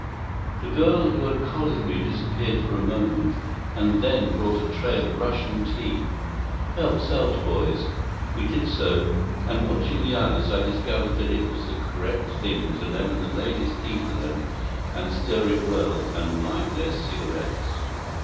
The girl who had collared me disappeared for a moment, and then brought a tray of Russian tea. "Help 'selves, boys!" We did so, and, watching the others, I discovered that it was the correct thing to lemon the ladies' tea for them and stir it well and light their cigarettes.